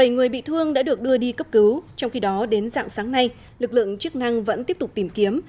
bảy người bị thương đã được đưa đi cấp cứu trong khi đó đến dạng sáng nay lực lượng chức năng vẫn tiếp tục tìm kiếm